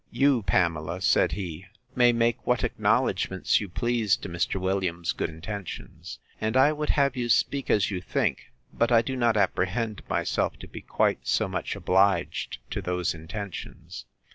You, Pamela, said he, may make what acknowledgments you please to Mr. Williams's good intentions; and I would have you speak as you think; but I do not apprehend myself to be quite so much obliged to those intentions.